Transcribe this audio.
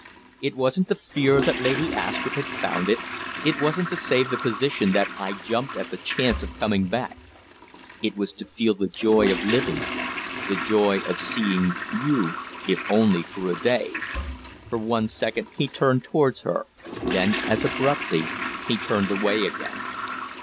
It wasn't the fear that Lady Astrupp had found it; it wasn't to save the position that I jumped at the chance of coming back; it was to feel the joy of living, the joy of seeing you if only for a day!" For one second he turned towards her, then as abruptly he turned away again.